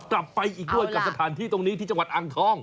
กลับไปอีกด้วยกับสถานที่ตรงนี้ที่จังหวัดอ่างทอง